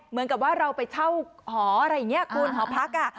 เหมือนกับว่าเราไปเช่าหออะไรอย่างนี้คุณหอพัก